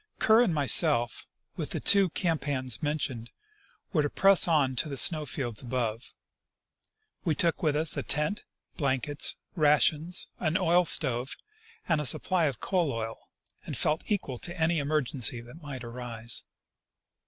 Kerr and myself, with the two camp hands mentioned, were to press on to the snow fields above. We took with us a tent, blankets, rations, an oil stove, and a supply of coal oil, and felt equal to any emergency that might arise.